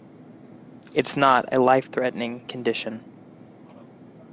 It is not a life-threatening condition.